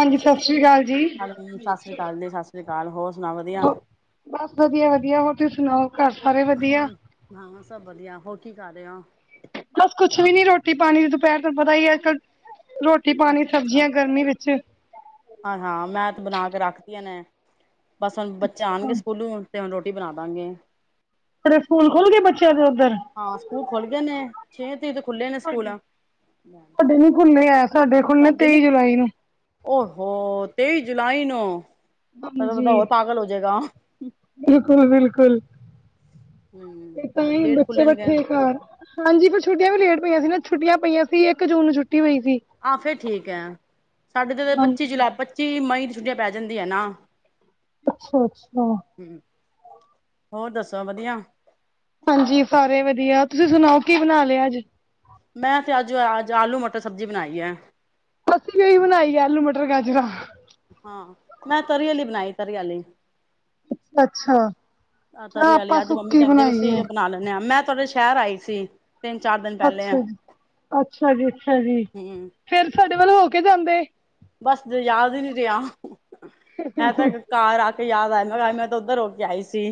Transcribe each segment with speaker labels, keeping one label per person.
Speaker 1: ਹਾਂਜੀ ਸਤਿ ਸ੍ਰੀ ਅਕਾਲ ਜੀ
Speaker 2: ਜੀ, ਸਤਿ ਸ਼੍ਰੀ ਅਕਾਲ ਜੀ, ਸਤਿ ਸ਼੍ਰੀ ਅਕਾਲ, ਹੋਰ ਸੁਣਾ ਵਧੀਆ?
Speaker 1: ਬਸ ਵਧੀਆ-ਵਧੀਆ ਹੋਰ ਤੁਸੀਂ ਸੁਣਾਓ, ਘਰ ਸਾਰੇ
Speaker 2: ਹਾਂ,
Speaker 1: ਵਧੀਆ।
Speaker 2: ਹਾਂ, ਸਭ ਵਧੀਆ, ਹੋਰ ਕੀ ਕਰ ਰਹੇ ਹੋ?
Speaker 1: ਬਸ ਕੁੱਛ ਵੀ ਨੀ ਰੋਟੀ ਪਾਣੀ ਦੀ, ਦੁਪਹਿਰ ਤੁਹਾਨੂੰ ਪਤਾ ਹੀ ਅੱਜ-ਕੱਲ ਰੋਟੀ ਰੋਟੀ ਪਾਣੀ ਸਬਜ਼ੀਆਂ ਗਰਮੀ ਵਿੱਚ,
Speaker 2: ਹਾ-ਹਾਂ ਮੈਂ ਤੇ ਬਣਾ ਕੇ ਰੱਖਦੀਆਂ ਨੇ, ਬਸ ਹੁਣ ਬੱਚੇ ਆਉਣਗੇ
Speaker 1: ਤੇਰੇ
Speaker 2: ਸਕੂਲੋਂ ਤੇ ਹੁਣ ਰੋਟੀ ਬਣਾ ਦਾਂਗੇ।
Speaker 1: ਆਪਣੇ ਸਕੂਲ ਖੁਲ ਗਏ ਬੱਚਿਆਂ ਦੇ ਉੱਧਰ?
Speaker 2: ਹਾਂ ਸਕੂਲ ਖੁਲ੍ਹ ਗਏ ਨੇ, ਛੇ ਤਰੀਕ ਦੇ, ਖੁੱਲੇ ਨੇ ਸਕੂਲ,
Speaker 1: ਸਾਡੇ ਨੀ ਖੁੱਲ੍ਹੇ ਆ, ਸਾਡੇ ਖੁੱਲੇ ਤੇਈ ਜੁਲਾਈ ਨੂੰ,
Speaker 2: ਓਹੋ, ਤੇਈ ਜੁਲਾਈ ਨੂੰ, ਮਤਲਬ ਬੰਦਾ
Speaker 1: ਹਾਂਜੀ,
Speaker 2: ਹੋਰ ਪਾਗਲ ਹੋ ਜਾਏਗਾ।
Speaker 1: ਬਿਲਕੁਲ-ਬਿਲਕੁਲ।
Speaker 2: ਹੂੰ,
Speaker 1: ਤੇ ਤਾਂ
Speaker 2: ਬੜੇ
Speaker 1: ਹੀ
Speaker 2: ਲੇਟ
Speaker 1: ਬੱਚੇ
Speaker 2: ਖੁੱਲਣਗੇ
Speaker 1: ਬੈਠੇ ਘਰ, ਹਾਂਜੀ, ਪਰ ਛੁੱਟੀਆਂ ਵੀ ਲੇਟ ਪਈਆਂ ਸੀ, ਨਾ ਛੁੱਟੀਆਂ ਪਈਆਂ ਸੀ ਇੱਕ ਜੂਨ ਨੂੰ ਛੁੱਟੀ ਹੋਈ ਸੀ।
Speaker 2: ਆਹ ਫੇਰ ਠੀਕ ਹੈ, ਸਾਡੇ ਤੇ ਪੱਚੀ
Speaker 1: ਹਾਂਜੀ
Speaker 2: ਜੁਲਾਈ ਪੱਚੀ ਮਈ ਦੀ ਛੁੱਟੀ ਪੈ ਜਾਂਦੀ ਹੈ ਨਾ।
Speaker 1: ਅੱਛਾ-ਅੱਛਾ।
Speaker 2: ਹੋਰ ਦੱਸੋ ਵਧੀਆ?
Speaker 1: ਹਾਂਜੀ ਸਾਰੇ ਵਧੀਆ, ਤੁਸੀਂ ਸੁਣਾਓ ਕੀ ਬਣਾ ਲਿਆ ਅੱਜ,
Speaker 2: ਮੈਂ ਤੇ ਅੱਜ-ਅੱਜ ਆਲੂ ਮਟਰ ਸਬਜ਼ੀ ਬਣਾਈ ਹੈ।
Speaker 1: ਅਸੀਂ ਵੀ ਇਹੀ ਬਣਾਈ ਆਲੂ ਮਟਰ ਗਾਜਰਾ,
Speaker 2: ਹਾਂ, ਮੈਂ ਤਰੀ ਆਲੀ ਬਣਾਈ ਤਰੀ ਆਲੀ,
Speaker 1: ਅੱਛਾ, ਆਪਾਂ ਸੁੱਕੀ ਬਣਾਈਏ,
Speaker 2: ਨਾ ਬਣਾ ਲੈਨੇ ਆ ਮੈਂ ਤੁਹਾਡੇ ਸ਼ਹਿਰ ਆਈ ਸੀ, ਤਿੰਨ ਚਾਰ ਦਿਨ, ਪਹਿਲੇ
Speaker 1: ਅੱਛਾ ਜੀ, ਅੱਛਾ ਜੀ ਅੱਛਾ ਜੀ,
Speaker 2: ਹਮ
Speaker 1: ਫੇਰ ਸਾਡੇ ਵੱਲ ਹੋ ਕੇ ਜਾਂਦੇ,
Speaker 2: ਬਸ ਯਾਦ ਹੀ ਨੀ ਰਿਹਾ, ਐਂ ਤ ਘਾਰ ਆ ਕੇ ਯਾਦ ਆਇਆ ਮੈਂ ਕਿਹਾ ਮੈਂ ਤਾਂ ਉੱਧਰ ਹੋ ਕੇ ਆਈ ਸੀ।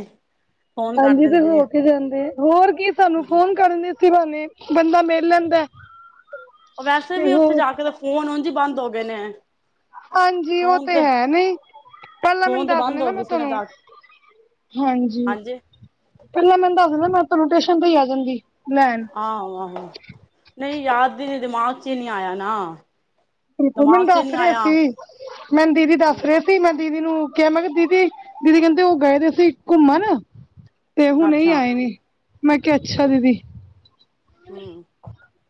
Speaker 2: ਫੋਨ ਕਰ
Speaker 1: ਹਾਂਜੀ, ਤੇ
Speaker 2: ਦਿੰਦੇ
Speaker 1: ਹੋ ਕੇ ਜਾਂਦੇ ਹੋਰ ਕੀ ਸਾਨੂੰ
Speaker 2: ਹਮ
Speaker 1: ਫੋਨ ਕਰਨ ਦੇ, ਇਸੀ ਬਹਾਨੇ ਬੰਦਾ ਮਿੱਲ ਲੈਂਦਾ।
Speaker 2: ਵੈਸੇ
Speaker 1: ਤੇ
Speaker 2: ਵੀ ਉੱਥੇ
Speaker 1: ਹੋਰ
Speaker 2: ਜਾ ਕੇ ਤਾਂ ਫੋਨ ਉਝੀ ਬੰਦ ਹੋ ਗਏ ਨੇ,
Speaker 1: ਹਾਂਜੀ, ਉਹ ਤੇ ਹੈ ਨਹੀਂ, ਪਹਿਲਾਂ ਮੈਨੂੰ
Speaker 2: ਫੋਨ ਤੇ
Speaker 1: ਦੱਸਦੇ
Speaker 2: ਬੰਦ ਹੋ
Speaker 1: ਨਾ
Speaker 2: ਗਏ
Speaker 1: ਮੈਂ
Speaker 2: ਸੀ
Speaker 1: ਤੁਹਾਨੂੰ,
Speaker 2: ਜਾ ਕੇ
Speaker 1: ਹਾਂਜੀ, ਪਹਿਲਾਂ ਮੈਨੂੰ ਦੱਸ ਦਿੰਦਾ ਮੈਂ ਤੋਟੇਸ਼ਨ ਤੋਂ ਹੀ ਆ ਜਾਂਦੀ, ਲੈਣ।
Speaker 2: ਆਹੋ-ਆਹੋ, ਨਹੀਂ ਯਾਦ ਦਿ ਦਿਮਾਗ ਚ ਨਹੀਂ ਆਇਆ ਨਾ,
Speaker 1: ਬਿਲਕੁਲ ਮੈਨੂੰ
Speaker 2: ਦਿਮਾਗ ਚ ਹੀ
Speaker 1: ਦੱਸ
Speaker 2: ਨਹੀਂ
Speaker 1: ਰਹੇ
Speaker 2: ਆਇਆ
Speaker 1: ਸੀ, ਮੈਂਨੂੰ ਦੀਦੀ ਦੱਸ
Speaker 2: ਹਮ
Speaker 1: ਰਹੇ ਮੈਂ ਦੀਦੀ ਨੂੰ ਕਿਹਾ ਮੈਂ ਕਿਹਾ ਦੀਦੀ-ਦੀਦੀ ਕਹਿੰਦੇ ਉਹ ਗਏ ਤੇ ਅਸੀਂ ਘੁੰਮਣ, ਤੇ ਹੁਨੇ ਏ
Speaker 2: ਅੱਛਾ
Speaker 1: ਆਏ ਨੇ ਮੈਂ ਕਿਹਾ ਅੱਛਾ ਦੀਦੀ,
Speaker 2: ਹੂੰ,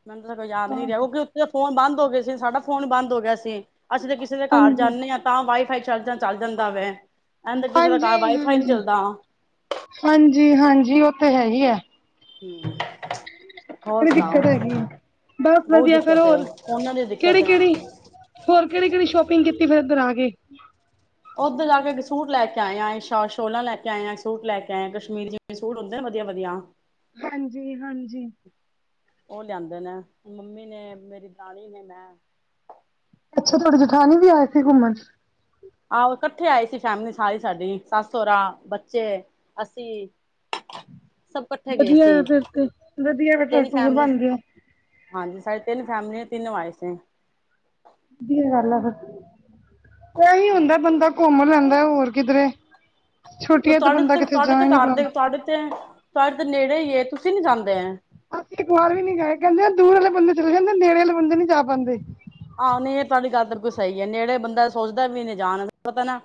Speaker 2: ਮੈਨੂੰ ਤਾਂ ਕੋਈ ਯਾਦ ਨੀ ਰਿਹਾ ਕਿਉਂਕਿ ਉੱਥੇ ਤਾਂ ਫੋਨ ਬੰਦ ਹੋ ਗਏ ਸੀ ਸਾਡਾ ਫੋਨ ਬੰਦ ਹੋ ਗਿਆ ਸੀ। ਅਸੀਂ ਤਾਂ ਕਿਸੇ ਦੇ ਘਰ
Speaker 1: ਹਾਂਜੀ
Speaker 2: ਜਾਂਦੇ ਹਾਂ ਤਾਂ ਵਾਈਫਾਈ ਚੱਲ ਚੱਲ ਜਾਂਦਾ ਵਾ, ਕਹਿੰ ਕਿਸੇ ਦਾ ਘਰ ਵਾਈਫਾਈ ਨੀ ਚੱਲਦਾ,
Speaker 1: ਹਾਂਜੀ-ਹਾਂਜੀ, ਉਹ ਤੇ ਹੈ ਹੀ ਹੈ।
Speaker 2: [unintelligible] ਹੋਰ
Speaker 1: ਬੜੀ
Speaker 2: ਸੁਣਾਓ,
Speaker 1: ਦਿੱਕਤ ਹੈਗੀ ਹੈ ਬਸ
Speaker 2: ਬਹੁਤ
Speaker 1: ਵਧੀਆ ਫੇਰ
Speaker 2: ਦਿੱਕਤ ਹੈ
Speaker 1: ਹੋਰ
Speaker 2: ਉਹਨਾਂ ਦੀ ਦਿੱਕਤ
Speaker 1: ਕਿਹੜੀ
Speaker 2: ਹੈ।
Speaker 1: ਕਿਹੜੀ ਹੋਰ ਕਿਹੜੀ-ਕਿਹੜੀ ਸ਼ੋਪਿੰਗ ਕੀਤੀ, ਫਿਰ ਇੱਧਰ ਆ ਕੇ,
Speaker 2: ਉੱਧਰ ਜਾ ਕੇ ਸੂਟ ਲੈ ਕੇ ਆਇਆ ਸ਼ੋਲਾਂ ਲੈ ਕੇ ਆਇਆ ਸੂਟ ਲੈ ਕੇ ਆਏ ਕਸ਼ਮੀਰੀ, ਸੂਟ ਹੁੰਦੇ ਵਧੀਆ-ਵਧੀਆ,
Speaker 1: ਹਾਂਜੀ-ਹਾਂਜੀ।
Speaker 2: ਉਹ ਲਿਆਂਦੇ ਨੇ, ਮੰਮੀ ਨੇ ਮੇਰੀ ਦਰਾਣੀ ਨੇ ਮੈਂ,
Speaker 1: ਅੱਛਾ, ਤੁਆਡੇ ਜੇਠਾਨੀ ਵੀ ਆਏ ਸੀ ਘੁੰਮਣ।
Speaker 2: ਆਹੋ, ਇਕੱਠੇ ਆਏ ਸੀ। ਫੈਮਿਲੀ ਸਾਰੀ ਸਾਡੀ ਸੱਸ, ਸਹਰਾ, ਬੱਚੇ ਅਸੀ। [inaudible]
Speaker 1: ਵਦੀਆ ਯਾ ਫੇਰ ਤੇ, ਵਦੀਆ ਫੇਰ
Speaker 2: ਤਿੰਨ
Speaker 1: ਟੂਰ
Speaker 2: ਫੈਮਲੀ
Speaker 1: ਬਾਨ ਗੇਐ।
Speaker 2: ਹਾਂਜੀ, ਸਾਡੀ ਤੇਨ ਫੈਮਲੀ ਏ ਤਿੰਨੋ ਆਏ ਸੀ।
Speaker 1: ਵਦੀਆ ਗਾੱਲ ਐ ਫੇਰ, ਤੇ ਐਈ
Speaker 2: ਹੂੰ
Speaker 1: ਓਂਦੈ ਬੰਦਾ ਘੁੰਮ ਲੈਂਦੈ ਓਰ ਕਿਦਰੇ।
Speaker 2: ਓ ਤੋਆਡੇ, ਤੋਆਡੇ ਤੇ
Speaker 1: ਨੀ
Speaker 2: ਘਾਰਦੇ
Speaker 1: ਪਾਉਂਦਾ
Speaker 2: ਤੋਆਡੇ ਤੇ, ਤੋਆਡੇ ਤੇ ਨੇੜੇ ਈ ਏ ਤੁਸੀ ਨੀ ਜਾਂਦੇ।
Speaker 1: ਅਸੀਂ ਇੱਕ ਵਾਰ ਵੀ ਨੀ ਗਏ, ਕੈਂਦੇ ਦੂਰ ਆਲੇ ਬੰਦੇ ਚਲੇ ਜਾਂਦੇ ਨੇੜੇ ਅਲੇ ਬੰਦੇ ਨੀ ਜਾ ਪਾਂਦੇ।
Speaker 2: ਆ ਨਈ ਏ ਤੁਆਡੀ ਗਾੱਲ ਬਿਲਕੁਲ ਸਈ ਏ ਨੇੜੇ ਬੰਦਾ ਸੋਚਦਾ ਵੀ ਨੀ ਜਾਨ ਅਸੇ ਪਤੈ ਨਾ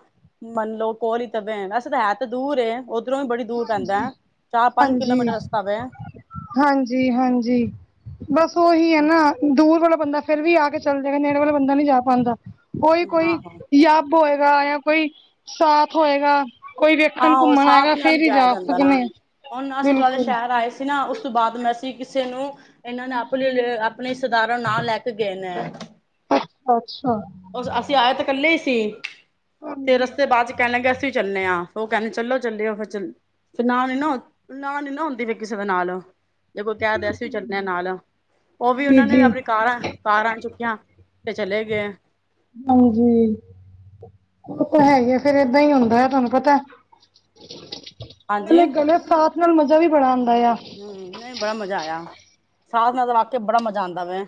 Speaker 2: ਮੰਨਲੋ ਕੋਲ ਈ ਤੇ ਬੈਨ ਵੈਸੇ ਤੇ ਹੈ ਤੇ ਦੂਰ ਏ, ਓ ਏਦਰੋਂ ਵੀ ਬੜੀ ਦੂਰ ਪੈਂਦੈ, ਚਾਰ-ਪਾੰਜ ਕਿਲੋਮੀਟਰ ਰਸਤਾ ਪੱਐ।
Speaker 1: ਹਾਂਜੀ-ਹਾਂਜੀ। ਬਾੱਸ ਓਹੀ ਏ ਨਾ, ਦੂਰ ਵਾਲਾ ਬੰਦਾ ਫੇਰ ਵੀ ਆ ਕੇ ਚੱਲ ਜੇਗਾ ਨੇੜੇ ਵਲਾ ਬੰਦਾ ਨੀ ਜਾ ਪਾਂਦਾ। ਕੋਈ-ਕੋਈ,
Speaker 2: ਆਹੋ
Speaker 1: ਯਾੱਬ ਓਏਗਾ ਯਾ ਕੋਈ ਸਾਥ ਹੋਏਗਾ। ਕੋਈ ਵੇਖਨ
Speaker 2: ਆਹੋ
Speaker 1: ਘੁੰਮਨ ਆਏਗਾ
Speaker 2: ਸਾਥ ਨਾਲ
Speaker 1: ਫੇਰ ਹੀ
Speaker 2: ਜਾਏਆ
Speaker 1: ਜਾ
Speaker 2: ਜਾਂਦਾ ਨਾ,
Speaker 1: ਸਕਦੇ
Speaker 2: ਹੋਨ ਅਸੀਂ ਤੁਆਡੇ
Speaker 1: ਬਿਲਕੁਲ
Speaker 2: ਸ਼ੈਰ ਆਏ ਸੀ ਨਾ ਉਸ ਤੋ ਬਾਦ ਮੈ ਅਸੀ ਕਿਸੇ ਨੂੰ ਏਨਾਂ ਨੇ ਆਪਲੇ ਏ ਆਪਨੇ ਇਸ਼ਤੇਦਾਰਾ ਨੂ ਨਾਲ ਲੈ ਕੇ ਗਏ ਨੇ।
Speaker 1: ਅੱਛਾ ਅੱਛਾ।
Speaker 2: ਓਸ ਅਸੀਂ ਆਏ ਤੇ ਕੱਲੇ ਈ ਸੀ, ਫੇਰ
Speaker 1: ਹਾਂਜੀ
Speaker 2: ਰਸਤੇ ਬਾਚ ਕੈਨ ਲੱਗੇ ਅਸੀਂ ਵੀ ਚੱਲਨੇ ਆਂ। ਓ ਕੈਂਦੇ ਚਲੋ ਚੱਲਿਏ ਫੇਰ ਚੱਲ, ਤੇ ਨਾਲੇ ਨਾ ਨਾ ਨੀ ਨਾ ਹੁੰਦੀ ਫੇਰ ਕਿਸੇ ਦੇ ਨਾਲ। ਜੇ ਕੋਈ ਕਹਿ ਦੇ ਅਸੀਂ ਵੀ ਚੱਲਣੇ ਆ ਨਾਲ, ਓ ਵੀ
Speaker 1: ਜੀ
Speaker 2: ਉਨਾ ਨੇ ਵੀ
Speaker 1: ਜੀ
Speaker 2: ਆਪਣੀ ਕਾਰਾਂ ਕਾਰਾਂ ਚੁੱਕੀਆਂ ਤੇ ਚਲੇ ਗੇ।
Speaker 1: ਹਾਂਜੀ, ਓ ਤਾਂ ਹੈਈ ਏ ਫੇਰ ਏਦਾ ਈ ਹੁੰਦਾ ਤਾਨੂੰ ਪਤਾ।
Speaker 2: ਹਾਂਜੀ
Speaker 1: ਨਾਲੇ ਗਲੇ ਸਾਥ ਨਾਲ ਮਜ਼ਾ ਵੀ ਬੜਾ ਆਂਦਾ ਆ।
Speaker 2: ਹੂੰ, ਨਈ ਬੜਾ ਮਜ਼ਾ ਆਇਆ, ਸਾਥ ਨਾ ਤਾ ਵਾਕੇ ਬੜਾ ਮਜ਼ਾ ਆਂਦਾ ਵੈਂ।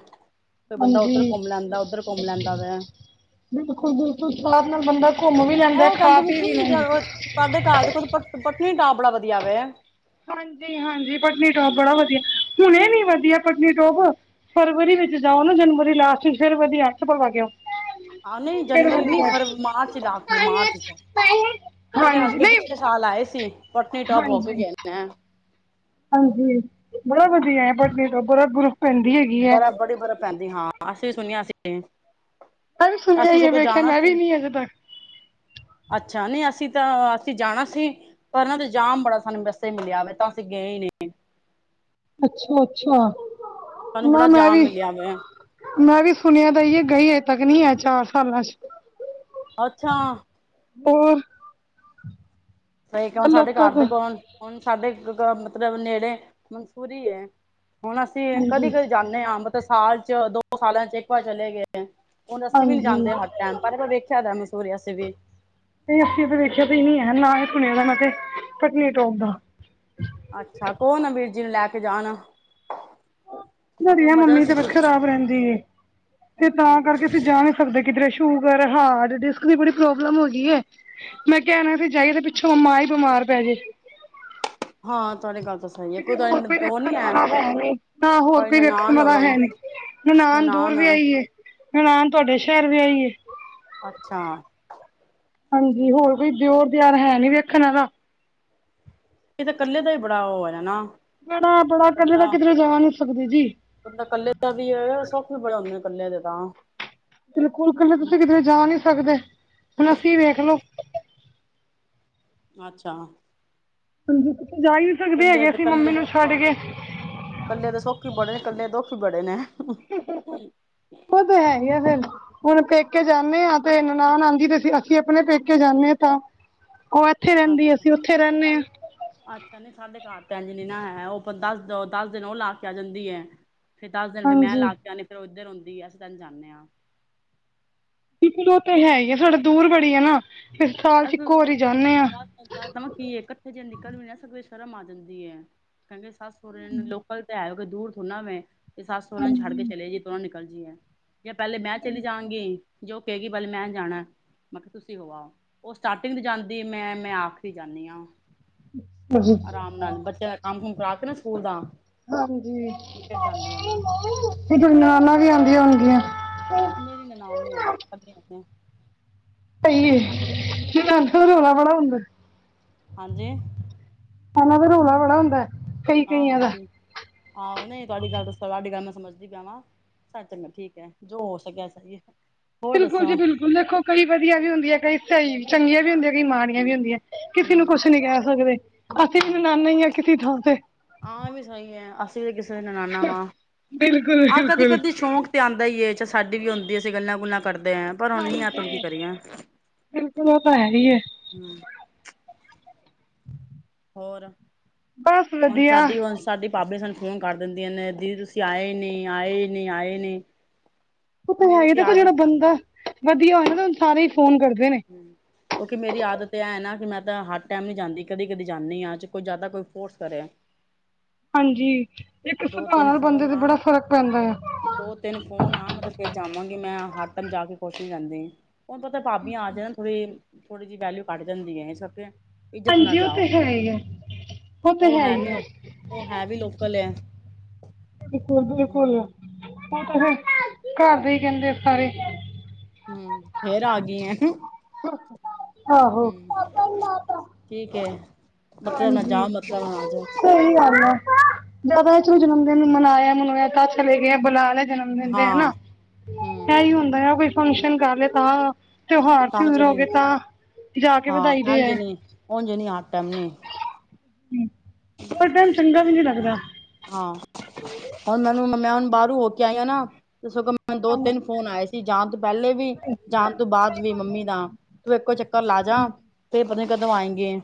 Speaker 2: ਕੋਈ ਬੰਦਾ ਉੱਧਰ
Speaker 1: ਹਾਂਜੀ
Speaker 2: ਘੌਮ ਲੈਂਦਾ, ਉੱਧਰ ਘੋਮ ਲੈਂਦਾ ਵੈ।
Speaker 1: ਬਿਲਕੁਲ, ਬਿਲਕੁਲ ਸਾਥ ਨਾਲ ਬੰਦਾ ਘੁੰਮ ਵੀ ਲੈਂਦੈ, ਖਾ ਪੀ ਵੀ ਲੈਂਦਾ।
Speaker 2: ਸਾਡੇ ਘਰ ਦੇ ਕੋਲ ਪਤ ਪਤਨੀਟਾਪ ਬੜਾ ਵਧੀਆ ਵੈ।
Speaker 1: ਹਾਂਜੀ, ਹਾਂਜੀ ਪਤਨੀਟੋਪ ਬੜਾ ਵਧੀਆ, ਹੁਣੇ ਨੀ ਵਧੀਆ ਪਤਨੀਟੋਪ। ਫਰਵਰੀ ਵਿੱਚ ਜਾਓ ਨਾ ਜਨਵਰੀ ਲਾਸਟ ਚ ਫੇਰ ਵਧੀਐ, ਚੱਪਲ ਪਾ ਕੇ ਆਓ।
Speaker 2: ਆ ਨਈ
Speaker 1: ਫਿਰ
Speaker 2: ਜਨਵਰੀ ਨੀ
Speaker 1: ਵਧੀਆ
Speaker 2: ਫਰਵਰ ਮਾਰਚ ਇਚ ਆਖਦੀ ਮਾਰਚ ਇਚ, ਮੇਰੇ
Speaker 1: ਹਾਂਜੀ
Speaker 2: ਹਸਬੈਂਡ ਪਿਛਲੇ
Speaker 1: ਨਹੀਂ
Speaker 2: ਨਾਲ ਆਏ ਸੀ, ਪਟਨੀਟੋਪ ਓ ਕੇ ਗਏ ਨੈ।
Speaker 1: ਹਾਂਜੀ, ਬੜਾ ਵਦੀਐ ਪਟਨੀਟੋਪ ਬਰਫ-ਬੂਰਫ
Speaker 2: ਬਰਾ ਬੜੀ ਬਰਫ਼ ਪੈਂਦੀ ਹਾਂ, ਅਸੀਂ ਵੀ ਸੁਣਿਆ ਸੀ
Speaker 1: ਮੈਂ ਵੀ ਸੁਣਿਆ
Speaker 2: ਅਸੀਂ
Speaker 1: ਈ ਐ,
Speaker 2: ਸਗੋਂ
Speaker 1: ਵੇਖਿਆ
Speaker 2: ਜਾਣਾ
Speaker 1: ਮੈਂ ਵੀ
Speaker 2: ਸੀ।
Speaker 1: ਨੀ ਅਜੇ ਤੱਕ।
Speaker 2: ਅੱਛਾ, ਨਈ ਅਸੀ ਤਾ ਅਸੀ ਜਾਣਾ ਸੀ। ਪਰ ਨਾ ਓਥੇ ਜਾਮ ਬੜਾ ਸਾਨੂੰ ਰਸਤੇ ਚ ਮਿਲਿਆ ਵੇ ਤਾਂ ਅਸੀਂ ਗਏ ਨੀ।
Speaker 1: ਅੱਛਾ, ਅੱਛਾ
Speaker 2: ਸਾਨੂੰ
Speaker 1: ਨਾ
Speaker 2: ਬੜਾ
Speaker 1: ਮੈਂ
Speaker 2: ਜਾਮ
Speaker 1: ਵੀ
Speaker 2: ਮਿਲਿਆ ਵੇ।
Speaker 1: ਮੈਂ ਵੀ ਸੁਣਿਆ ਦਾ ਈ ਐ, ਗਈ ਅਜੇ ਤੱਕ ਨਈ ਐ ਚਾਰ ਸਾਲਾਂ ਚ।
Speaker 2: ਅੱਛਾ।
Speaker 1: ਹੋਰ।
Speaker 2: ਸਈ ਕਓ ਸਾਡੇ ਘਰ ਦੇ ਕੋਲ ਹੁਣ ਸਾਡੇ ਮਤਲਬ ਨੇੜੇ ਮਨਸੂਰੀ ਐ। ਹੁਣ ਅਸੀਂ ਕਦੀ,
Speaker 1: ਹਾਂਜੀ
Speaker 2: ਕਦੀ ਜਾਨੇ ਆ ਮਤਲ ਸਾਲ ਚ ਦੋ ਸਾਲਾਂ ਚ ਇੱਕ ਵਾਰ ਚਲੇ ਗਏ। ਹੁਣ ਅਸੀਂ ਵੀ ਨੀ
Speaker 1: ਹਾਂਜੀ
Speaker 2: ਜਾਂਦੇ ਹਰ
Speaker 1: ਨਹੀਂ
Speaker 2: ਟਾਈਮ ਪਰ ਵੇਖਿਆ ਦਾ ਮਨ ਸੂਰੀਆ ਵੈਸੇ ਵੀ।
Speaker 1: ਨਹੀਂ ਅੱਸੀਂ ਓਥੇ ਵੇਖਿਆ ਤੇ ਨੀ ਐ, ਨਾ ਹੀ ਸੁਣਿਆ ਮੈਂ ਤੇ ਪਤਨੀਟੋਪ ਦਾ।
Speaker 2: ਅੱਛਾ ਕੋ ਨਾ ਵੀਰ ਜੀ ਨੂੰ ਲੈ ਕੇ ਜਾਣ। ਸਗੋਂ
Speaker 1: ਬੜੀਆ
Speaker 2: ਮਜ਼ਾ
Speaker 1: ਮੰਮੀ ਦੀ
Speaker 2: ਸੀ
Speaker 1: ਤਬੀਅਤ ਖ਼ਰਾਬ ਰੈਂਦੀ ਏ ਤੇ
Speaker 2: ਅੱਛਾ
Speaker 1: ਤਾਂ ਕਰਕੇ ਅਸੀਂ ਜਾ ਨੀ ਸਕਦੇ ਕਿਧਰੇ ਸ਼ੂਗਰ, ਹਾਰਡ, ਡਿਸਕ ਦੀ ਬੜੀ ਪ੍ਰੋਬਲਮ ਹੋ ਗੀ ਏ, ਮੈਂ ਕਿਆ ਐ ਨਾ ਸੀ ਜਾਈਏ ਫ਼ੇ ਪਿਛ ਪਿੱਛੋਂ ਮਾਂ ਈ ਬਿਮਾਰ ਪੈ ਜੇ।
Speaker 2: ਹਾਂ ਤੁਹਾਡੀ ਗੱਲ ਤਾਂ ਸਹੀ ਹੈ
Speaker 1: ਕਿਉਂਕਿ ਹੋਰ
Speaker 2: ਤੁਹਾਡੀ
Speaker 1: ਕੋਈ
Speaker 2: ਦੋ ਨੀ
Speaker 1: ਵੇਖਣ ਵਾਲਾ ਹੈ ਨੀ, ਨਾ ਹੋਰ
Speaker 2: ਕੋਈ
Speaker 1: ਦੇਖਣ
Speaker 2: ਨਨਾਣ
Speaker 1: ਵਾਲਾ
Speaker 2: ਹੋਵੇ
Speaker 1: ਹੈ ਨੀ ਮੈਂ ਨਨਾਣ ਦੂਰ ਵੀਆਈਏ, ਨਨਾਣ ਤੁਹਾਡੇ ਸ਼ਹਿਰ ਵੀਆਈਏ
Speaker 2: ਅੱਛਾ,
Speaker 1: ਹਾਂਜੀ,
Speaker 2: ਠੀਕ
Speaker 1: ਹੋਰ
Speaker 2: ਹੈ
Speaker 1: ਕੋਈ ਦਿਓਰ ਦਿਆਰ ਹੈ ਨੀ ਵੇਖਣ ਵਾਲਾ
Speaker 2: ਇਹ ਤਾਂ ਇਕੱਲੇ ਦਾ ਹੀ ਬੜਾ ਉਹ ਹੈ ਨਾ
Speaker 1: ਬੜਾ-ਬੜਾ ਇਕੱਲੇ
Speaker 2: ਬੰਦਾ
Speaker 1: ਤਾਂ ਕਿੱਧਰੇ ਜਾ ਨੀ ਸਕਦੇ ਜੀ।
Speaker 2: ਬੰਦਾ ਕੱਲੇ ਦਾ ਵੀ ਹੈ ਸੁਖ ਵੀ ਬੜਾ ਹੁੰਦਾ ਕੱਲੇ ਦੇ ਤਾਂ
Speaker 1: ਬਿਲਕੁਲ ਇਕੱਲੇ ਤੁਸੀਂ ਕਿਞਧਰੇ ਜਾ ਨਹੀਂ ਸਕਦੇ ਹੁਣ ਅਸੀਂ ਵੇਖਲੋ।
Speaker 2: ਅੱਛਾ।
Speaker 1: ਹਾਂਜੀ, ਕਿਤੇ ਜਾ ਹੀ ਨਹੀਂ ਸਕਦੇ ਹੈਗੇ ਅਸੀਂ ਮੰਮੀ ਨੂੰ ਛੱਡ ਕੇ।
Speaker 2: ਇਕੱਲੇ ਦੇ ਸੋਖੀ ਈ ਬੜੇ ਨੇ ਕੱਲੇ ਦੇ ਦੁਖੀ ਹੋ ਬੜੇ ਨੇ,
Speaker 1: ਉਹ ਤਾਂ ਹੈ ਇਆ ਫੇਰ ਹੁਣ ਪੇਕੇ ਜਾਂਦੇ ਹਾਂ ਤੇ ਨਨਾਣ ਆਂਦੀ ਤੇ ਅਸੀਂ ਆਪਣੇ ਪੇਕੇ ਜਾਂਦੇ ਹਾਂ ਤਾਂ, ਉਹ ਇੱਥੇ ਰਹਿੰਦੀ
Speaker 2: ਅੱਛਾ
Speaker 1: ਅਸੀਂ ਉੱਥੇ ਰਹਿੰਦੇ ਹਾਂ
Speaker 2: ਅੱਛਾ ਨੀ ਸਾਡੇ ਘਰ ਭੈਨ ਨੀ ਨਾ ਹੈ ਉਹ ਦਸ ਦ ਦਸ ਦਿਨ ਉਹ ਲਾ ਕੇ ਆ ਜਾਂਦੀ ਹੈ ਫੇਰ ਦੱਸ ਦਿਨ ਫਿਰ ਮੈਂ
Speaker 1: ਹਾਂਜੀ
Speaker 2: ਲਾ ਕੇ ਆਨੀ ਫਿਰ ਉੱਧਰ ਆਉਂਦੀ ਆ ਅਸੀਂ ਤੈਨੂੰ ਜਾਂਦੇ ਹਾਂ
Speaker 1: ਬਿਲਕੁਲ ਉਹ ਤਾਂ ਹੈ ਹੀ ਆ ਸਾਡਾ ਦੂਰ ਬੜੀ ਆ ਨਾ ਫਿਰ ਸਾਲ ਚ ਇੱਕੋ ਵਰੀ ਜਾਨੇ ਐ
Speaker 2: ਗੱਲ ਸਮਝ ਗਈ ਏ ਇਕੱਠੇ ਜਂਦੋ ਨਿਕਲਨੇ ਸਬੇ ਸ਼ਰਮ ਆ ਜਾਂਦੀ ਹੈ ਕਹਿੰਦੇ ਸੱਸ ਸੋਹਰੇ ਨੂੰ ਲੋਕਲ ਤਾਂ ਹੈ ਦੂਰ ਥੋੜੀ ਨਾ ਵੇਂ ਤੇ ਸੱਸ ਸੋਹਰੇ ਨੂੰ ਛੱਡ ਕੇ ਚਲੇ ਗੀ ਦੋਹਾਂ ਨੂ ਨਿਕਲ ਜੀਏ ਜਾਂ ਪਹਿਲੇ ਮੈਂ ਚਲੀ ਜਾਵਗੀ ਜੋ ਕਹਿਗੀ ਬੇ ਮੈਂ ਜਾਣਾ ਮੈਂ ਕਿਹਾ ਤੁਸੀਂ ਹੋਆੳ- ਉਹ ਸਟਾਰਟਿੰਗ ਚ ਜਾਂਦੀ ਮੈਂ-ਮੈਂ ਆਖਰੀ ਜਾਂਦੀ ਹਾਂ
Speaker 1: ਜੀ
Speaker 2: ਆਰਾਮ ਨਾਲ ਬੱਚਿਆਂ ਦਾ ਕੰਮ ਕੁੁੰਮ ਕਰਾ ਕੇ ਨਾ ਸਕੂਲ ਦਾ
Speaker 1: ਹਾਂਜੀ
Speaker 2: ਫਿਰ ਜਾਂਦੀ ਹਾਂ ਮੈਂ
Speaker 1: ਤੇ ਗਰ ਨਨਾਨਾਂ ਵੀ ਆਉਂਦੀਆਂ ਹੁੰਦੀਆ
Speaker 2: ਮੇਰੀ ਨਨਾਮ ਨੀ ਆ
Speaker 1: ਪਹੀਏ ਰਾਤ ਨੂੰ ਰੌਲਾ ਬੜਾ ਹੁੰਦਾ
Speaker 2: ਹਾਂਜੀ
Speaker 1: ਨਨਾਨਾ ਤੇ ਰੌਲਾ ਬੜਾ ਹੁੰਦਾ ਕਈ ਕਈਆਂ ਦਾ
Speaker 2: ਆਹੋ-ਆਹੋ ਨਹੀਂ ਤੁਹਾਡੀ ਗੱਲ ਦੱਸੋ ਤੁਹਾਡੀ ਗੱਲ ਮੈਂ ਸਮਝਦੀ ਪਿਆ ਮੈਂ ਸ ਚੰਗਾ ਠੀਕ ਹੈ ਜੋ ਹੋ ਸਕਿਆ ਸਹੀ ਹੋਰ
Speaker 1: ਬਿਲਕੁਲ ਜੀ
Speaker 2: ਦੱਸੋ
Speaker 1: ਬਿਲਕੁਲ ਦੇਖੋ ਕਈ ਵਧੀਆ ਵੀ ਹੁੰਦੀ ਹੈ ਕਈ ਸਹੀ ਚੰਗੀਆਂ ਵੀ ਹੁੰਦੀਆਂ ਕਈ ਮਾੜ ਏਂਵੀ ਹੁੰਦੀਆਂ ਕਿਸੇ ਨੂੰ
Speaker 2: ਹਮ
Speaker 1: ਕੁਛ ਨੀ ਕਹਿ ਸਕਦੇ ਅਸੀਂ ਵੀ
Speaker 2: ਹਮ
Speaker 1: ਨਨਾਨੇ ਹਾਂ ਕਿਸੇ ਥਾਂ ਤੇ
Speaker 2: ਹਾਂ ਇਹ ਵੀ ਸਹੀ ਹੈ ਅਸੀਂ ਤੇ ਕਿਸੇ ਦੇ ਨਨਾਨਾ ਵਾ
Speaker 1: ਬਿਲਕੁਲ
Speaker 2: ਆਹ
Speaker 1: ਬਿਲਕੁਲ
Speaker 2: ਕਦੀ-ਕਦੀ ਸ਼ੌਂਕ ਤੇ ਆਉਂਦਾ ਹੀ ਏ ਕੇ ਸਾਡੀ ਵੀ ਹੁੰਦੀ ਅਸੀਂ ਗੱਲਾਂ ਗੱਲਾਂ ਕਰਦੇ ਹਾਂ ਪਰ ਹੁਣ ਨੀ ਆ ਤੁਮ ਕੀ
Speaker 1: ਹਾਂਜੀ
Speaker 2: ਕਰੀਏ
Speaker 1: ਬਿਲਕੁਲ ਉਹ ਤਾਂ ਹੈ ਹੀ
Speaker 2: ਹਮ ਹੋਰ
Speaker 1: ਬਸ
Speaker 2: ਹੁਣ
Speaker 1: ਵਧੀਆ
Speaker 2: ਸਾਡੀ ਵਂਸ਼ ਸਾਡੇ ਭਾਬੀਆਂ ਸਾਨੂੰ ਫੋਨ ਕਰ ਦਿੰਦੀਆਂ ਨੇ ਦੀਦੀ ਤੁਸੀਂ ਆਏ ਨੀ ਆਏ ਨੀ ਆਏ ਨੇ-
Speaker 1: ਤਾਂ ਹੈ ਹੀ ਦੇਖੋ ਜਿਹੜਾ ਬੰਦਾ ਵਧੀਆ ਹੋਇ ਨਾ ਉਹਨੂ ਸਾਰੇ ਹੀ ਫੋਨ ਕਰਦੇ ਨੇ
Speaker 2: ਹਮ ਕਿਉਂਕਿ ਮੇਰੀ ਆਦਤ ਇਹ ਹੈ ਨਾ ਕਿ ਮੈਂ ਤਾਂ ਹਰ ਟਾਈਮ ਨਹੀਂ ਜਾਂਦੀ ਕਦੀ ਕਦੀ ਜਾਂਦੀ ਹਾਂ ਕੋਈ ਜ਼ਿਆਦਾ ਕੋਈ ਫੋਰਸ ਕਰੇ
Speaker 1: ਹਾਂਜੀ ਇੱਕ
Speaker 2: ਦੋ ਤਿੰਨ
Speaker 1: ਸੁਭਾਅ ਬੰਦੇ
Speaker 2: ਫੋਨ
Speaker 1: ਤੇ ਬੜਾ
Speaker 2: ਆਣ
Speaker 1: ਫ਼ਰਕ ਪੈਂਦਾ ਆ
Speaker 2: ਦੋ ਤਿੰਨ ਫੋਨ ਆਨ ਮਤਲਬ ਫੇਰ ਜਾਵਾਂਗੀ ਮੈਂ ਹੱ ਟੈਮ ਜਾ ਕੇ ਖੂਸ਼ ਨੀ ਰਹਂਦੀ ਹੁਣ ਪਤਾ ਭਾਬੀਆਂ ਆ ਜਾਣ ਥੋੜ੍ਹੀ-ਥੋੜ੍ਹੀ ਜਿਹੀ ਵੈਲਿਊ ਘਟ ਜਾਂਦੀ ਹੈ ਇਸ ਕਰਕੇ ਇੱਜ਼ਤ ਨਾਲ
Speaker 1: ਹਾਂਜੀ ਉਹ ਤੇ
Speaker 2: ਜਾਓ
Speaker 1: ਹੈ ਹੀ ਹੈ
Speaker 2: ਉਹ ਹੈ ਵੀ ਲੋਕ ਉਹ ਹੈ ਵੀ ਲੋਕਲ ਏ
Speaker 1: ਬਿਲਕੁਲ-ਬਿਲਕੁਲ ਘਰ ਦੇ ਹੀ ਕਹਿੰਦੇ ਸਾਰੇ
Speaker 2: ਹਮ ਫੇਰ ਆ ਗਈ ਏਂ
Speaker 1: ਹਮ
Speaker 2: ਹਮ ਠੀਕ ਹੈ ਮਤਲਬ ਨਾ
Speaker 1: ਹਾਂਜੀ
Speaker 2: ਜਾਓ ਮਤਲਬ ਨਾ ਆ ਜਾਓ
Speaker 1: ਸਹੀ ਗੱਲ ਆ ਜ਼ਿਆਦਾ ਚਲੋ ਜਨਮ ਦਿਨ ਮਨਾਇਆ-ਮਨਇਆ ਤਾਂ ਚਲੇ ਗਏ ਬੁਲਾ ਲਿਆ ਜਨਮ ਦੇ ਹਨਾ
Speaker 2: ਹਾਂ ਹਮ
Speaker 1: ਇਹੀ ਹੁੰਦਾ ਆ। ਕੋਈ ਫੰਗਸ਼ਨ ਕਰ ਲ ਤਾਂ, ਤਿਉਹਾਰ,
Speaker 2: ਤਾਂ
Speaker 1: ਤੁਹੂਰ ਹੋ
Speaker 2: ਚਲੇ
Speaker 1: ਗਏ ਤਾਂ, ਜਾ ਕੇ ਵਧਾਈ
Speaker 2: ਹਾਂ,
Speaker 1: ਦੇ
Speaker 2: ਇੰਝ
Speaker 1: ਆਏ
Speaker 2: ਨੀ ਉਝ ਨੀ ਹਰ ਟਾਇਮ ਨੀ
Speaker 1: ਹੋਰ, ਟਾਈਮ ਚੰਗਾ ਵੀ ਨੀ ਲੱਗਦਾ!
Speaker 2: ਹਾਂ, ਹੁਣ ਮੈਨੂੰ ਮੈਂ ਹੁਣ ਬਾਹਰੋਂ ਹੋ ਕੇ ਆਈ, ਨਾ ਸਗੋ ਮੈਨੂ ਦੋ ਤਿੰਨ ਫੋਨ ਆਏ ਸੀ! ਜਾਣ ਤੋਂ ਪਹਿਲੇ ਵੀ, ਜਾਣ ਤੋਂ ਬਾਅਦ ਵੀ, ਮੰਮੀ ਦਾ ਤੂੰ, ਇੱਕੋ ਚੱਕਰ ਲਾ ਜਾ ਤੇ ਪਤਾ ਨੀ ਕਦੋ ਆਏਗੀ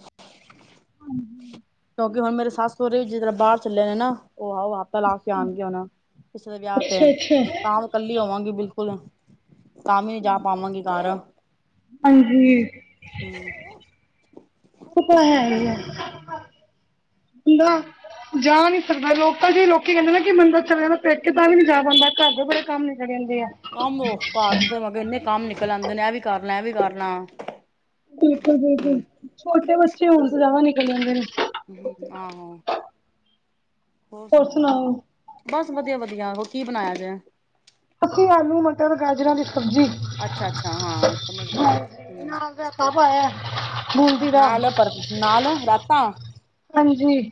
Speaker 1: ਹਾਂਜੀ,
Speaker 2: ਕਿਉਂਕਿ ਹੁਣ ਮੇਰੇ ਸੱਸ ਸੁਰਰੇ ਵੀ, ਜਿਸ ਤਰ੍ਹਾਂ ਬਾਹਰ ਚੱਲੇ ਨੇ ਨਾ, ਉਹ ਆਓ ਆਪ ਲਾ ਕੇ ਆਉਣਗੇ, ਉਹਨਾ ਕਿਸੇ ਦੇ ਵਿਆਹ ਤੇ,
Speaker 1: ਅੱਛਾ ਅੱਛਾ
Speaker 2: ਤਾਂ ਕੱਲੀ ਹੋਵਾਂਗੀ, ਬਿਲਕੁਲ! ਤਾਂ ਵੀ, ਨਹੀਂ ਜਾ ਪਾਵਾਂਗੀ, ਘਰ
Speaker 1: ਹਾਂਜੀ ਉਹ ਤਾਂ ਹੈ ਈ ਐ ਹਨਾ ਜਾ ਨਹੀਂ ਸਕਦਾ ਲੋਕ ਤਾਂ ਜ ਲੋਕੀ ਕਹਿੰਦੇ ਨਾ ਕਿ ਬੰਦਾ ਚਲੇ ਜਾਂਦਾ ਪੇ ਕੇ ਤਾਂ ਵੀ ਨੀ ਜਾ ਪਾਉਦਾ ਘਰ ਦੇ ਬੜੇ ਕੰਮ ਨੀ ਖੜੇ ਜਾਂਦੇ ਹੈ
Speaker 2: ਕੰਮ ਉਹ ਘਰਜ ਮੈਂ ਕਿਹਾ ਇੰਨੇ ਕੰਮ ਨਿਕਲ ਆਉਂਦੇ ਨੇ ਇਹ ਵੀ ਕਰਨਾ ਇਹ ਵੀ ਕਰਨਾ
Speaker 1: ਬਿਲਕੁਲ ਬਿਲਕੁਲ ਛੋਟੇ ਬੱਚੇ ਹੋਣ [unintelligible] ਨਿਕਲ ਜਾਂਦੇ ਨੇ
Speaker 2: ਆਹੋ ਆਹੋ ਹੋਰ ਸੁਣਾਓ ਬਸ ਵਧੀਆ ਵਧੀਆ ਹੋਰ ਕੀ ਬਣਾਇਆ ਜਾੇ
Speaker 1: ਅਸੀਂ ਆਲੂ ਮਟਰ ਗਾਜਰਾਂ ਦੀ ਸਬਜ਼ੀ
Speaker 2: ਅੱਛਾ ਅੱਛਾ ਹਾਂ ਸਮਝ ਗਈ ਮੈਂ ਹੂੰ
Speaker 1: [unintelligible] ਦਾ
Speaker 2: ਨਾਲ ਏ ਪਰ ਨਾਲ ਏ ਰਾਤਾਂ
Speaker 1: ਹਾਂਜੀ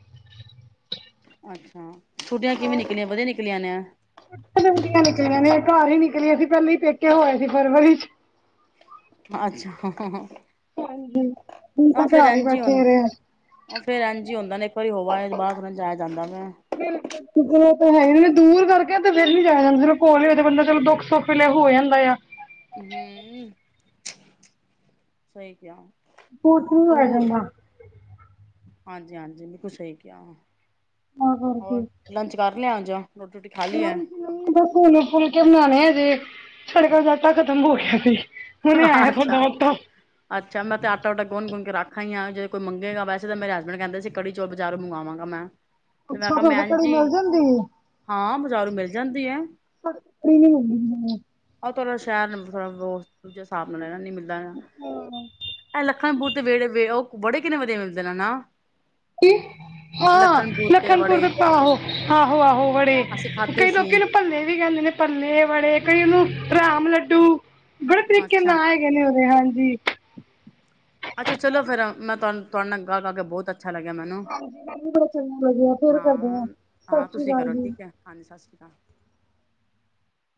Speaker 2: ਅੱਛਾ ਛੁੱਟੀਆਂ ਕਿਵੇਂ ਨਿਕਲੀਆਂ ਵਧੀਆ ਨਿਕਲੀਆਂ ਨੇ
Speaker 1: ਦੀਆਂ ਨਿਕਲੀਆਂ ਨੇ ਘਰ ਹੀ ਨਿਕਲੀਆਂ ਨੇ ਪਹਿਲੇ ਈ ਪੇਕੇ ਹੋ ਆਏ ਸੀ ਫਰਵਰੀ ਚ
Speaker 2: ਅੱਛਾ [unintelligible]
Speaker 1: ਹਾਂਜੀ ਹੁਣ ਤਾਂ
Speaker 2: ਆਹ ਫੇਰ
Speaker 1: ਘਰ ਈ
Speaker 2: ਇੰਝ ਹੀ
Speaker 1: ਬੈਠੇ
Speaker 2: ਹੁੰ
Speaker 1: ਰਹੇ ਆ
Speaker 2: ਉਹ ਫੇਰ ਇੰਝ ਹੀ ਹੁੰਦਾ ਨੇ ਇੱਕ ਵਾਰੀ ਹੋ ਆਏ ਫਿਰ ਬਾਦ ਚ ਨੀ ਜਾਇਆ ਜਾਂਦਾ ਵ
Speaker 1: [unintelligible] [unintelligible] ਦੂਰ ਕਰਕੇ ਤੇ ਫਿਰ ਨੀ ਜਾਇਆ ਜਾਂਦਾ ਸੀ ਕੋਲ ਹੀ ਹੋ ਤੇ ਬੰਦਾ ਚਲੋ ਦੁੱਖ ਸੁੱਖ ਵੇਲੇ ਹੋ ਆਂਦਾ ਆ
Speaker 2: ਹੂੰ ਸਹੀ ਕਿਹਾ ਦੂਰ
Speaker 1: [unintelligible]
Speaker 2: ਹਾਂਜੀ ਹਾਂਜੀ ਮੈ ਕੁ ਸਹੀ ਕਿਹਾ ਵ
Speaker 1: ਤਾਂ
Speaker 2: ਹੋਰ ਲੰਚ ਕਰ ਲਿਆ ਜਾ ਰੋਟੀ ਰੋਟੀ
Speaker 1: ਮੈਂ ਬਨੂੰ ਫੁਲ ਕੇ ਬਣਾਣੇ ਹਜੇ ਸਾਡੇ ਘਰ ਆਟਾ ਖਤਮ ਹੋ ਗਿਆ ਸੀ ਹੁਣੇ
Speaker 2: [unintelligible]
Speaker 1: ਆਇਆ ਤੁਹਾਡਾ
Speaker 2: ਅੱਛਾ
Speaker 1: ਆਟਾ
Speaker 2: ਅੱਛਾ ਮੈਂ ਤਾਂ ਆਟਾ ਆਟਾ ਗੁਣ ਗੁਣ ਕੇ ਰਖ ਆਈ ਜੇ ਕੋਈ ਮੰਗੇਗਾ ਵੈੇਸੇ ਤਾਂ ਮੇਰੇ ਹਸਬੈਂਡ ਕਹਿੰਦੇ ਸੀ ਕੜੀ ਜੋ ਬਜ਼ਾਰ ਮੰਗਵਾਵਾਂਗਾ ਮੈਂ ਤੇ ਮੈਂ
Speaker 1: ਅੱਛਾ
Speaker 2: ਕਿਹਾ ਮੈਂ
Speaker 1: ਕੜੀ ਮਿਲ
Speaker 2: ਜੀ
Speaker 1: ਜਾਂਦੀ ਏ
Speaker 2: ਹਾਂ ਬਜ਼ਾਰੂ ਮਿਲ ਜਾਂਦੀ ਹੈ
Speaker 1: [unintelligible]
Speaker 2: ਉਹ ੜ੍ਹ ਸ਼ਹਿਰ ਨੂੰ ਥੋੜਾ ਦੂਜੇ ਹਿਸਾਬ ਨਾਲ ਰਹਿਣਾ ਨੀ ਮਿਲਦਾ ਹੈਗਾ ਇਹ ਲੱਖਣਪੂਰ ਦੇ ਵਿਹੜੇ ਉਹ ਬੜੇ ਕਿੰਨੇ ਵਧੀਆ ਮਿਲਦੇ ਨੇ ਨਾ
Speaker 1: ਹਾਂ
Speaker 2: ਲਖਨਪੁਰ ਤੇ
Speaker 1: ਲਖਨਪੁਰ
Speaker 2: ਬੜੇ
Speaker 1: ਦੇ ਆਹੋ ਆਹੋ ਆਹੋ ਬੜੇ
Speaker 2: ਅਸੀਂ ਖਾਧੇ
Speaker 1: ਕਈ
Speaker 2: ਸੀ
Speaker 1: ਲੋਕੀ ਨੂੰ ਭੱਲੇ ਵੀ ਕਹਿੰਦੇ ਨੇ ਭੱਲੇ ਵਾਲੇ ਕਈ ਉਹਨੂੰ ਰਾਮ ਲੱਡੂ ਬੜੇ ਤਰੀਕੇ
Speaker 2: ਅੱਛਾ
Speaker 1: ਨਾਲ [unintelligible]
Speaker 2: ਅੱਛਾ ਚਲੋ ਫਿਰ ਮੈਂ ਤੁਹਾਨ ਤੁਹਾਡ ਨਾਲ ਗੱਲ ਕਰਕੇ ਬਹੁਤ ਅੱਛਾ ਲੱਗਿਆ ਮੈਨੂੰ
Speaker 1: ਹਾਂ ਚੰਗਾ ਲੱਗਾ ਫਿਰ ਕਰਦੇ
Speaker 2: ਹਾਂ ਹਾਂ
Speaker 1: ਸਤਿ ਸ੍ਰੀ
Speaker 2: ਤੁਸੀਂ
Speaker 1: ਅਕਾਲ
Speaker 2: ਕਰੋ
Speaker 1: ਜੀ
Speaker 2: ਠੀਕ ਹੈ ਹਾਂਜੀ ਸਤਿ ਸ਼੍ਰੀ ਅਕਾਲ